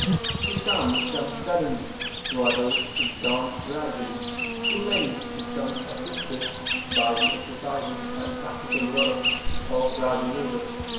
To some it comes suddenly; to others it dawns gradually; to many it comes assisted by the exercises and practical work of "Raja Yoga."